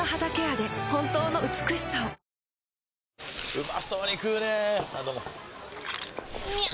うまそうに食うねぇあどうもみゃう！！